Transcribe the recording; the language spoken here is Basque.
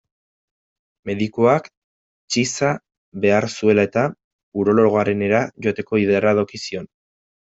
Medikuak, txiza behar zuela-eta, urologoarenera joateko iradoki zion.